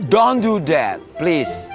jangan lakukan itu tolong